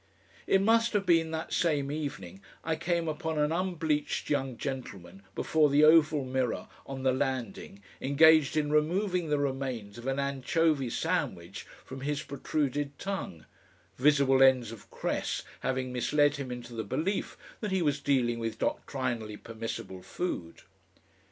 It must have been that same evening I came upon an unbleached young gentleman before the oval mirror on the landing engaged in removing the remains of an anchovy sandwich from his protruded tongue visible ends of cress having misled him into the belief that he was dealing with doctrinally permissible food.